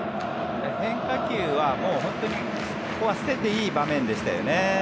変化球は、ここは捨てていい場面でしたよね。